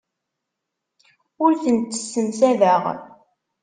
Ur tent-ssemsadeɣ.